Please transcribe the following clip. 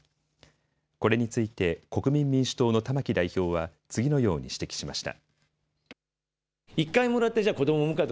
これについて国民民主党の玉木代表は次のように指摘しました。